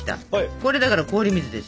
これだから氷水です。